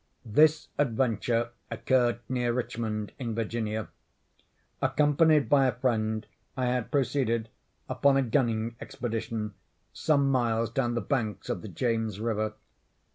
This adventure occurred near Richmond, in Virginia. Accompanied by a friend, I had proceeded, upon a gunning expedition, some miles down the banks of the James River.